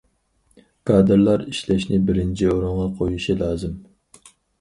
كادىرلار ئىشلەشنى بىرىنچى ئورۇنغا قويۇشى لازىم.